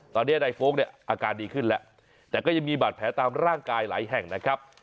ตอนนี้นายโฟลกเนี่ยอาการดีขึ้นแล้วแต่ก็ยังมีบาดแผลตามร่างกายหลายแห่งนะครับ